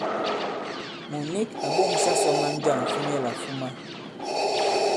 Mùt nik à ɓo᷇ŋsa sɔ maŋ jâm fi nyɛlà fuma.